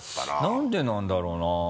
何でなんだろうな？